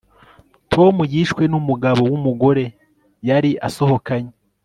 Tom yishwe numugabo wumugore yari asohokanye